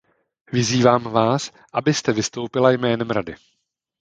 Vyzývám vás, abyste vystoupila jménem Rady.